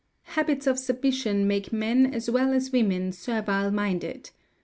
Habits of submission make men as well as women servile minded.